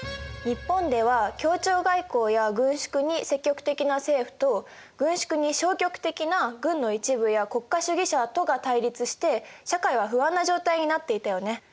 日本では協調外交や軍縮に積極的な政府と軍縮に消極的な軍の一部や国家主義者とが対立して社会は不安な状態になっていたよね。